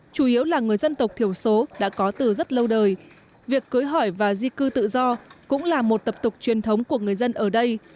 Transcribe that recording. chủ yếu là người dân tộc thiểu số đã có từ rất lâu đời việc cưới hỏi và di cư tự do cũng là một tập tục truyền thống của người dân ở đây